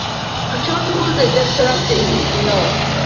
- Qachon tug‘ildi? - deb so‘rabdi Ibn Sino